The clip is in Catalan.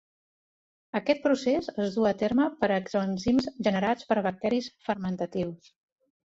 Aquest procés es du a terme per exoenzims generats per bacteris fermentatius.